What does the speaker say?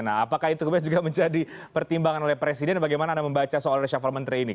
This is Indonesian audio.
nah apakah itu kemudian juga menjadi pertimbangan oleh presiden bagaimana anda membaca soal reshuffle menteri ini